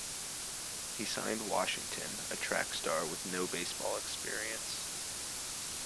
He signed Washington, a track star with no baseball experience.